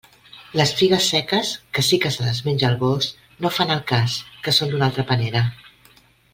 Les figues seques, que sí que se les menja el gos, no fan al cas, que són d'una altra panera.